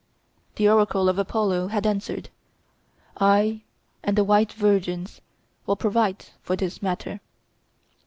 The oracle of Apollo had answered, "I and the white virgins will provide for this matter."